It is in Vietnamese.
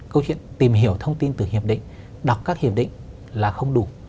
câu chuyện tìm hiểu thông tin từ hiệp định đọc các hiệp định là không đủ